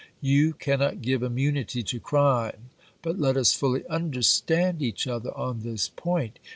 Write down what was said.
You cannot give immunity to crime. But let us fully understand each other on this point.